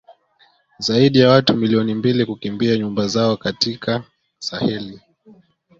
zaidi ya watu milioni mbili kukimbia nyumba zao katika Saheli